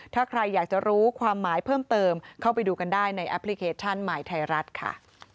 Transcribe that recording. ถ้าใครอยากจะรู้ความหมายเพิ่มเติมเข้าไปดูกันได้ในแอปพลิเคชันหมายไทยรัฐค่ะ